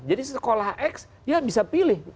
jadi sekolah x ya bisa pilih